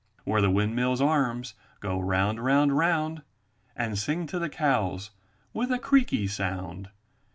Where the windmills* arms go round, round, round. And sing to the cows with a creaky sound.